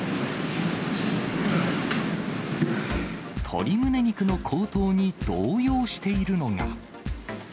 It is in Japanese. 鶏むね肉の高騰に動揺しているのが。